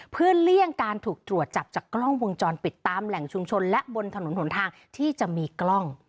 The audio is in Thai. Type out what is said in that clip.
เพื่อเลี่ยงการถูกตรวจจับจากกล้องวงจรปิดตามแหล่งชุมชนและบนถนนหนทางที่จะมีกล้อง